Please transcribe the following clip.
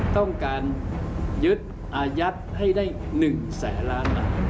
ต้องการยึดอายัดให้ได้๑แสนล้านบาท